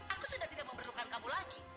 aku sudah tidak memerlukan kamu lagi